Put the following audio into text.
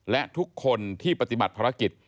และทุกคนที่ปฏิบัติภารกิจ